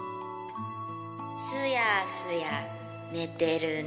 すやすやねてるね。